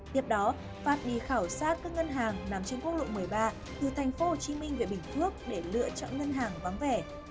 tiếp đó phát đi khảo sát các ngân hàng nằm trên quốc lộ một mươi ba từ tp hcm về bình phước để lựa chọn ngân hàng vắng vẻ